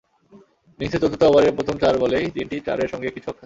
ইনিংসের চতুর্থ ওভারের প্রথম চার বলেই তিনটি চারের সঙ্গে একটি ছক্কা।